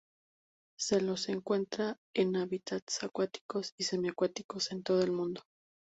Se los encuentra en hábitats acuáticos y semiacuáticos en todo el mundo.